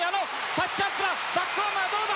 タッチアップだ。